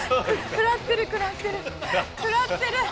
食らってる食らってる食らってる。